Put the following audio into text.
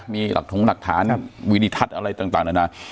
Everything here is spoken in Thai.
มีหลักฐานวินิทัชอะไรต่างแล้วนะ